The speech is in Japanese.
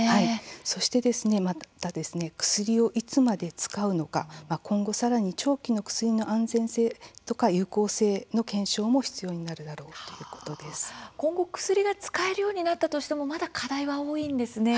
そして、また薬をいつまで使うのか今後さらに長期の薬の安全性とか有効性の検証も必要になるだろう今後薬が使えるようになったとしてもまだ課題は多いんですね。